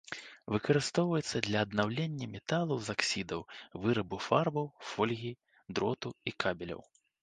Выкарыстоўваецца для аднаўлення металаў з аксідаў, вырабу фарбаў, фольгі, дроту і кабеляў.